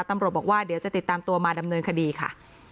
ตำรวจบอกว่าเดี๋ยวจะติดตามตัวมาดำเนินคดีค่ะ